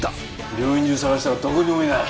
病院中捜したがどこにもいない。